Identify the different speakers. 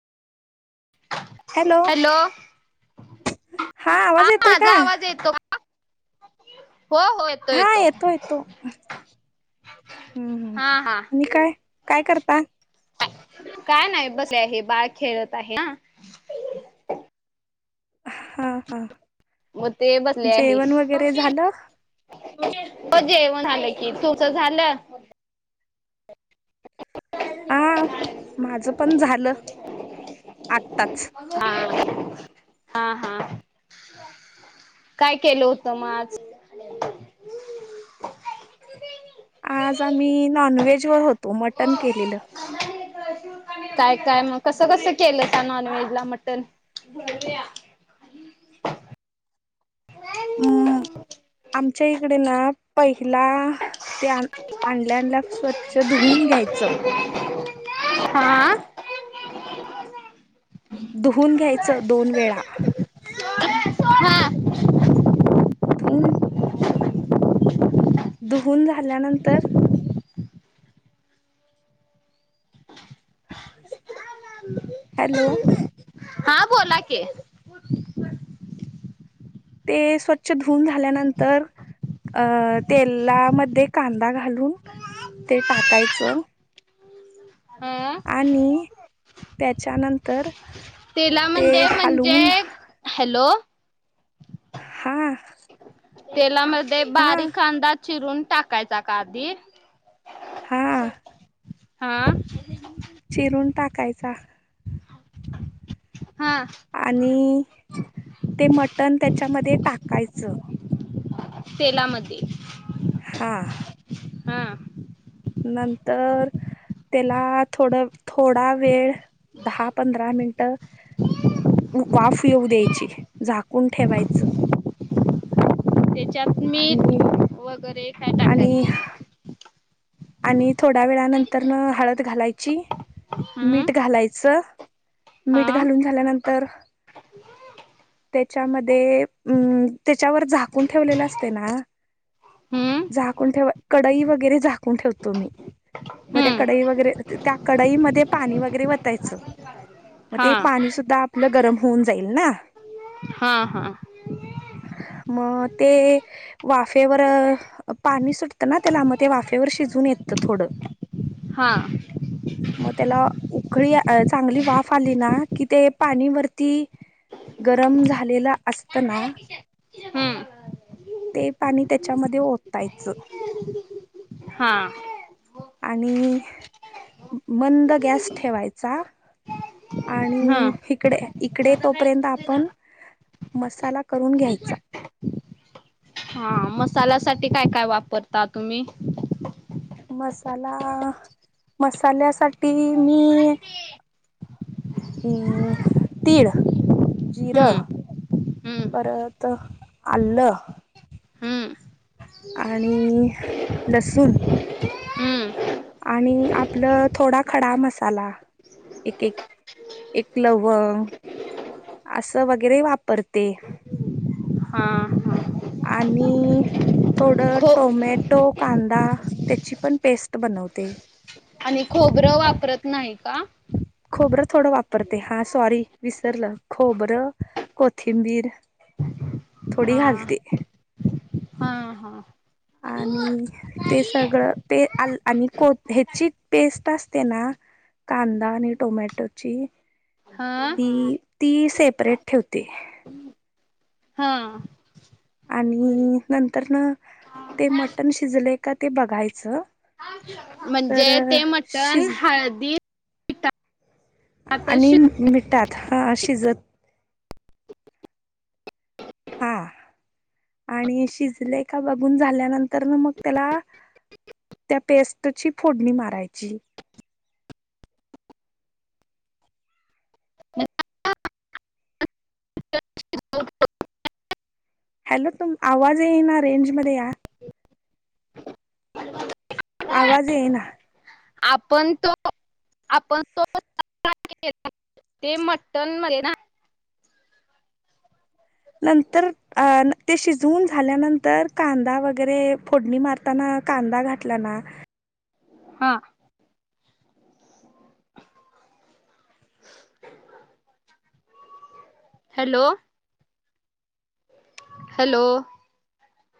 Speaker 1: Hello हा आवाज येतोय का?
Speaker 2: माझा आवाज [unintelligible]
Speaker 1: हा येतो येतो हम्म हम्म
Speaker 2: हा हा
Speaker 1: आणि काय काय करता.
Speaker 2: काय नाही बसले हे बाळ खेळत आहे ना. [inaudible]
Speaker 1: हा हा
Speaker 2: मग ते बसले आहे.
Speaker 1: जेवण
Speaker 2: हो
Speaker 1: वगैरे झालं
Speaker 2: जेवण आलं कि तुझ झालं?
Speaker 1: हा माझं पण झालं आत्ताच.
Speaker 2: हा हा हा काय केलं होतं मग आज?
Speaker 1: आज आम्ही नॉनव्हेज चिवय होत. तो मटण केलेलं.
Speaker 2: काय काय मग कसं कसं केलंसा नॉनव्हेजला मटण.
Speaker 1: अम् आम च्या इकडे ना पै हिला ते आण आणल्या आणल्या स्वच्छ धुवून घ्यायचं.
Speaker 2: हाआ.
Speaker 1: धुहून घ्यायचं दोन वेळा.
Speaker 2: हा.
Speaker 1: धुवून. धुहून झाल्यानंतर हॅलो.
Speaker 2: हा बोला की.
Speaker 1: ते स्वच्छ धुऊन झाल्यानंतर अं तेलामध्ये कांदा घालून ते टाकायचं
Speaker 2: हा
Speaker 1: आणि त्याच्या नंतर
Speaker 2: तेलामंध्ये म्हणजे हॅलो
Speaker 1: हा.
Speaker 2: तेलामध ते
Speaker 1: हा
Speaker 2: बारीक कांदा चिरून टाकायचा का आधी?
Speaker 1: हा
Speaker 2: हा.
Speaker 1: सहा. आणि ते मटण त्याच्यामध्ये टाकायचं.
Speaker 2: तेलामध्ये
Speaker 1: हा
Speaker 2: हा
Speaker 1: नंतर त्येला थोडं थोडा वेळ दहा पंधरा मिनटं.
Speaker 2: [unintelligible]
Speaker 1: वाफ येऊ द्यायची झाकून ठेवायचं.
Speaker 2: तेच त्यात मी
Speaker 1: आणि
Speaker 2: वगरे
Speaker 1: आणि. आणि थोड्या वेळानंतरन हळद घालायची,
Speaker 2: हम्म
Speaker 1: मीठ घालायचं. मीठ
Speaker 2: हा
Speaker 1: घालून झाल्यानंत तर, त्याच्यामध्ये म त्याच्यावर झाकून ठेवलेल असतंय ना,
Speaker 2: हम्म
Speaker 1: झाकून ठेवा कडई वगैरे झाक- कून ठेवतो मी मग त्या कडई
Speaker 2: हम्म
Speaker 1: वगैरे त्या कडईमध्ये पाणी वगैरे वतायचं. म ते
Speaker 2: हा
Speaker 1: पाणी सुद्धा आपलं गरम होऊन जाईल ना.
Speaker 2: हा हा.
Speaker 1: मग ते वाफेवर, पाणी सुटतं ना त्याला मग ते वाफे वाफेवर शिजून येतं थोडं.
Speaker 2: हा.
Speaker 1: मग त्याला उकळी चांगली वाफ आली ना कि ते पाणी वरती गरम झालेल असतना
Speaker 2: हम्म
Speaker 1: ते पाणी त्याच्यामध्ये ओतायचं.
Speaker 2: हा.
Speaker 1: आणि मंद गॅस ठेवायचा.
Speaker 2: हम्म
Speaker 1: आणि इकडे इकडे तोपर्यंत आपण मसाला करून घ्यायचा.
Speaker 2: हा, मसाल्या साठी काय काय वापरता तुम्ही?
Speaker 1: मसाला, मसाल्यासाठी मी म तीळ, जिरं,
Speaker 2: हम्म हम्म
Speaker 1: परत आलं,
Speaker 2: हम्म
Speaker 1: आणि लसूण आणि आपलं थोडा खडा मसाला एक एक एक लवंग असं वगैरे वापरते
Speaker 2: हम्म हा
Speaker 1: आणि थोडं
Speaker 2: खो
Speaker 1: टोमॅटो कांदा त्याची पण पेस्ट बनवते.
Speaker 2: आणि खोबरं वापरत नाही. का?
Speaker 1: खोबरं थोडं वापरते. हा, सॉरी विसरलं खोबरं कोथिंबीर थोडी
Speaker 2: हा
Speaker 1: घालते.
Speaker 2: हा हा
Speaker 1: आणि ते सगळं ते आणि कोथ्याची पेस्ट असते ना कांदा आणि टोमॅटोची,
Speaker 2: हा
Speaker 1: ती ती सेपरेट ठेवते.
Speaker 2: हा.
Speaker 1: आणि नंतर न ते मटण शिजलय का ते बघायचं. तर
Speaker 2: म्हणजे, ते मटण
Speaker 1: शिज
Speaker 2: हळदी पिठातच
Speaker 1: आणि
Speaker 2: शिज
Speaker 1: म त्यात हा, शिजत हा आणि शिजले का बघून झाल्यानंतर ना मग त्याला त्या पेस्टची फोडणी मारायची.
Speaker 2: [unintelligible]
Speaker 1: हॅलो, तुम आवाज ये ना रेंज मध्ये या. आवाज ये ना.
Speaker 2: आपण तो आपण तो [unintelligible] ते मटन [unintelligible]
Speaker 1: नंतर अ ते शिजवून झाल्यानंतर कांदा वगैरे फोडणी मारताना कांदा घातला ना
Speaker 2: हा. [inaudible] हॅलो. हॅलो.